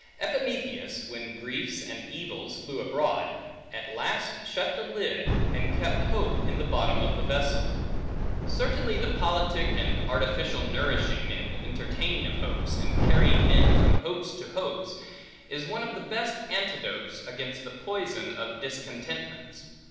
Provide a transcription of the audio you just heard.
Epimetheus, when griefs and evils flew abroad, at last shut the lid, and kept hope in the bottom of the vessel. Certainly, the politic and artificial nourishing, and entertaining of hopes, and carrying men from hopes to hopes, is one of the best antidotes against the poison of discontentments.